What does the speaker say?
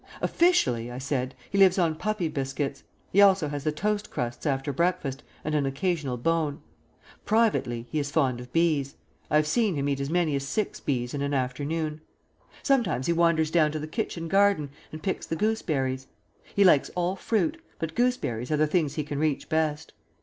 "Officially," I said, "he lives on puppy biscuits; he also has the toast crusts after breakfast and an occasional bone. Privately, he is fond of bees. I have seen him eat as many as six bees in an afternoon. Sometimes he wanders down to the kitchen garden and picks the gooseberries; he likes all fruit, but gooseberries are the things he can reach best.